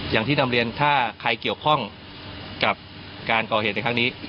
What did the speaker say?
อย่างที่นำเรียนถ้าใครเกี่ยวข้องกับการก่อเหตุในครั้งนี้